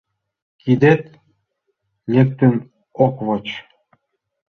Кидет лектын ок воч.